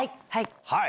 はい。